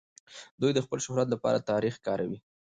دوی د خپل شهرت لپاره تاريخ کاروي.